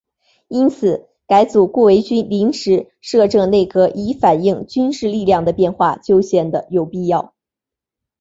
因此改组顾维钧临时摄政内阁以反映军事力量的变化就显得有必要。